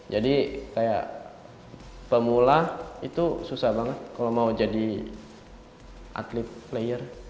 jadi pemula itu susah banget kalau mau jadi atlet player